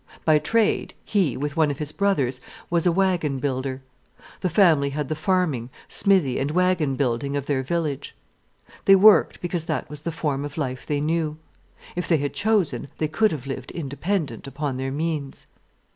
By trade he, with one of his brothers, was a waggon builder. The family had the farming, smithy, and waggon building of their village. They worked because that was the form of life they knew. If they had chosen, they could have lived independent upon their means.